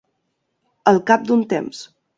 Al cap d'un temps.